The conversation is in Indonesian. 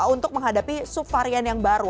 untuk menghadapi subvarian yang baru